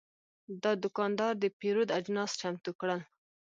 دا دوکاندار د پیرود اجناس چمتو کړل.